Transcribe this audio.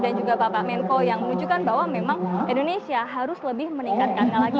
dan juga bapak menko yang menunjukkan bahwa memang indonesia harus lebih meningkatkan apresiasi